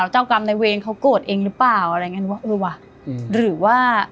เจ้อกรรมในเวรเค้ากลโกรธอีกหรือเปล่าหรือว่า